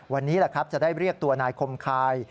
วันนี้จะได้เรียกตัวนายคมคาย